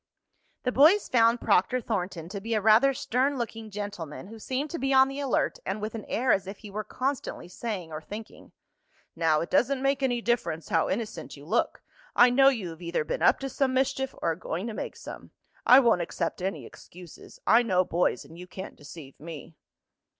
The boys found Proctor Thornton to be a rather stern looking gentleman, who seemed to be on the alert and with an air as if he were constantly saying, or thinking: "Now it doesn't make any difference how innocent you look, I know you have either been up to some mischief or are going to make some. I won't accept any excuses. I know boys and you can't deceive me."